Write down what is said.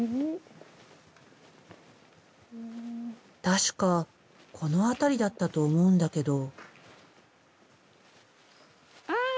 確かこの辺りだったと思うんだけど。